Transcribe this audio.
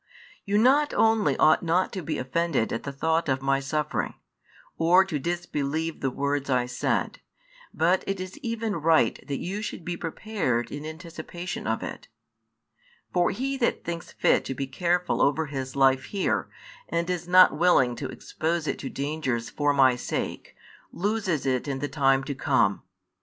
You not only ought not to be offended at the thought of My suffering, or to disbelieve the words I said, but it is even right that you should be prepared in anticipation of it; for he that thinks fit to be careful over his life here, and is not willing to expose it to dangers for My sake, loses it in the time to come.